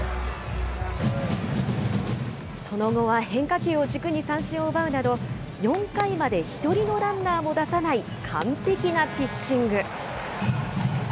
その後は変化球を軸に三振を奪うなど、４回まで１人のランナーも出さない完璧なピッチング。